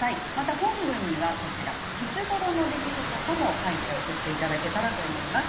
本文にはいつごろの出来事かも書いて送っていただけたらと思います。